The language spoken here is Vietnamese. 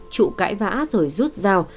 trụ cãi vã rồi rút rào